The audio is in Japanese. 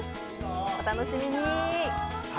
お楽しみに。